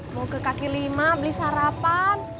mau ke kaki lima beli sarapan